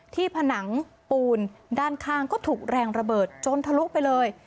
ผนังปูนด้านข้างก็ถูกแรงระเบิดจนทะลุไปเลย